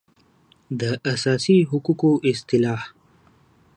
د اساسي حقوقو اصطلاح